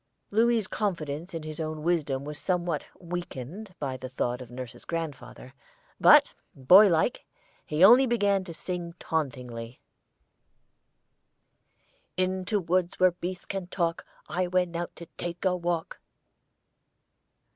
Louis's confidence in his own wisdom was somewhat weakened by the thought of nurse's grandfather, but, boy like, he only began to sing tauntingly: "Into woods where beasts can talk, I went out to take a walk."